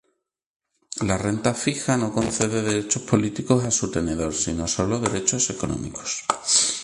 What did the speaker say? La renta fija no concede derechos políticos a su tenedor, sino sólo derechos económicos.